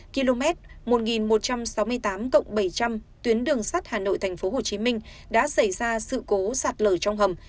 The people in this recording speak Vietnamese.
km một nghìn một trăm sáu mươi tám bảy trăm linh tuyến đường sắt hà nội tp hcm đã xảy ra sự cố sạt lở trong hầm